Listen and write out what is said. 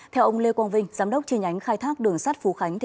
theo ông lê quang vinh giám đốc tri nhánh khai thác đường sắt phú khánh